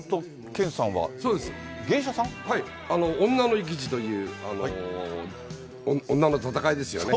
女の意気地という、女の戦いですよね。